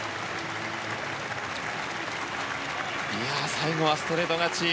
最後はストレート勝ち。